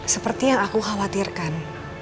seperti yang aku khawatirkan